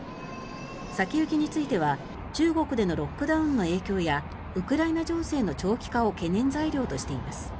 先行きについては中国でのロックダウンの影響やウクライナ情勢の長期化を懸念材料としています。